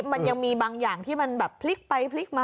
มันยังมีบางอย่างที่มันแบบพลิกไปพลิกมา